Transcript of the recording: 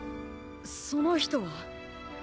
その人は？